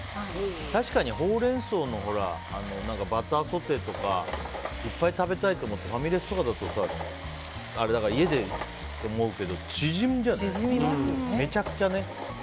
確かにホウレンソウのバターソテーとかいっぱい食べたいと思ってファミレスとかだとあれだから家でって思うけど縮んじゃうよね。